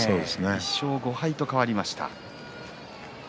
１勝５敗と変わりました。